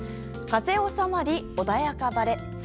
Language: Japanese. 風おさまり、穏やか晴れ。